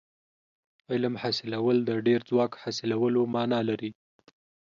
علم حاصلول د ډېر ځواک حاصلولو معنا لري.